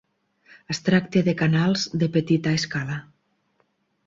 Es tracta de canals de "petita escala".